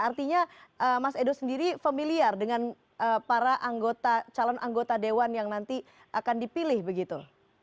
artinya mas edo sendiri familiar dengan para calon anggota dewan yang nanti akan dipilih begitu